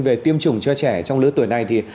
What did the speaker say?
về tiêm chủng cho trẻ trong lứa tuổi này thì